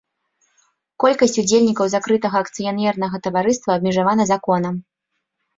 Колькасць удзельнікаў закрытага акцыянернага таварыства абмежавана законам.